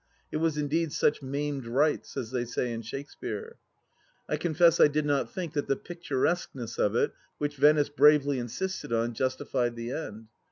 It was indeed such maimed rites, as they say in Shakespeare. I confess I did not think that the picturesqueness of it, which Venice bravely insisted on, justified the end.